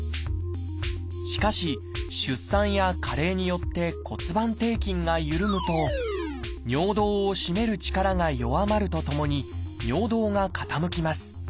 しかし出産や加齢によって骨盤底筋が緩むと尿道を締める力が弱まるとともに尿道が傾きます。